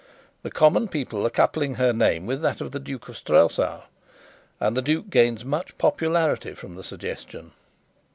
The common people are coupling her name with that of the Duke of Strelsau, and the duke gains much popularity from the suggestion.